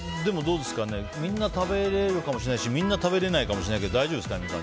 みんな食べられるかもしれないしみんな食べれないかもしれないですけど大丈夫ですか？